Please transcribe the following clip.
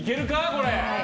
これ。